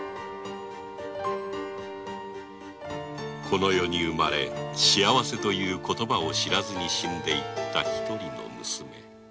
この世に生まれ「幸せ」という言葉も知らずに死んで行った一人の娘。